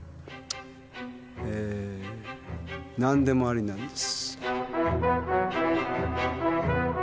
えー「なんでもあり」なんです。